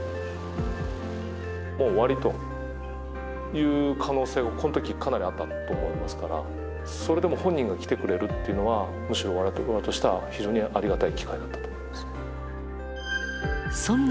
もう終わりという可能性がこの時かなりあったと思いますからそれでも本人が来てくれるっていうのはむしろ我々としては非常にありがたい機会だったと思います。